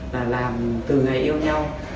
là làm từ ngày yêu nhau